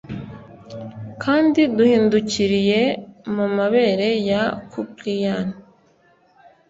Kandi duhindukiriye mumabere ya Kuprian,